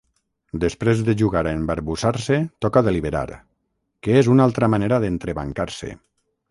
Després de jugar a embarbussar-se toca deliberar, que és una altra manera d'entrebancar-se.